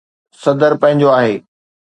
صدر پنهنجو آهي.